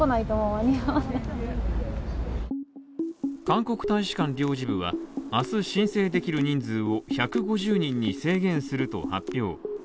韓国大使館領事部は明日申請できる人数を１５０人に制限すると発表。